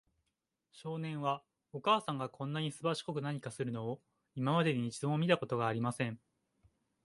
少年は、お母さんがこんなにすばしこく何かするのを、今までに一度も見たことがありません。